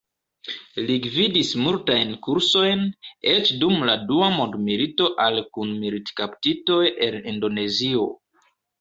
Li gvidis multajn kursojn, eĉ dum la dua mondmilito al kun-militkaptitoj en Indonezio.